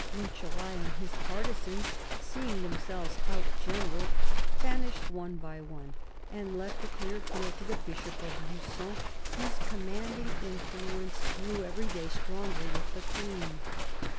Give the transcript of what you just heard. Rucellai and his partisans, seeing themselves out generalled, vanished one by one and left a clear field to the Bishop of Lugon, whose commanding influence grew every day stronger with the Queen.